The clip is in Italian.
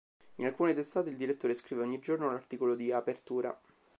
In alcune testate il direttore scrive ogni giorno l'articolo di apertura.